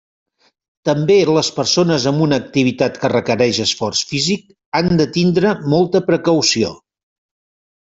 També les persones amb una activitat que requerix esforç físic han de tindre molta precaució.